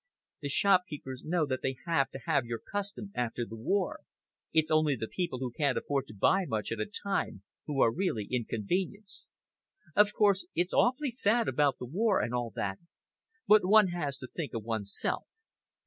The shopkeepers know that they have to have your custom after the war. It's only the people who can't afford to buy much at a time who are really inconvenienced." "Of course, it's awfully sad about the war, and all that, but one has to think of oneself.